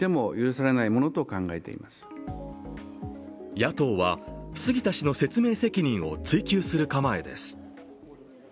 野党は、杉田氏の説明責任を追及する構えです。